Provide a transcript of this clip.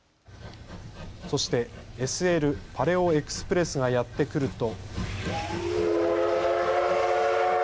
そしてＳＬパレオエクスプレスがやってくると。